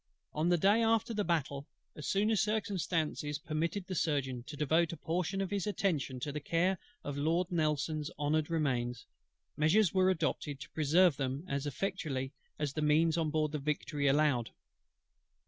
On the day after the battle, as soon as circumstances permitted the Surgeon to devote a portion of his attention to the care of Lord NELSON'S honoured Remains, measures were adopted to preserve them as effectually as the means then on board the Victory allowed.